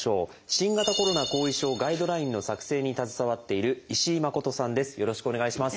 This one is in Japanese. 新型コロナ後遺症ガイドラインの作成に携わっているよろしくお願いします。